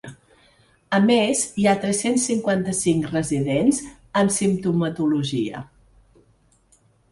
A més hi ha tres-cents cinquanta-cinc residents amb simptomatologia.